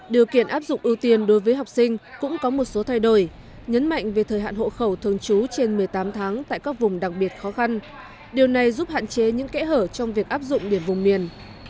điều kiện áp dụng ưu tiên đối với học sinh cũng có một số thay đổi nhấn mạnh về thời hạn hộ khẩu thường trú trên một mươi tám tháng tại các vùng đặc biệt khó khăn điều này giúp hạn chế những kẽ hở trong việc áp dụng điểm vùng miền